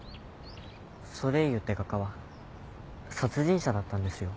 ソレーユって画家は殺人者だったんですよ。